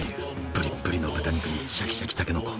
ぶりっぶりの豚肉にシャキシャキたけのこ。